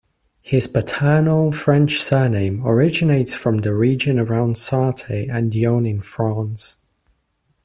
His paternal French surname originates from the region around Sarthe and Yonne in France.